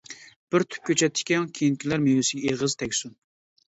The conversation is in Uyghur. بىر تۈپ كۆچەت تىكىڭ، كېيىنكىلەر مېۋىسىگە ئېغىز تەگسۇن!